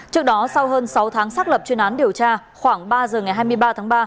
trước đó sau hơn sáu tháng xác lập chuyên án điều tra khoảng ba giờ ngày hai mươi ba tháng ba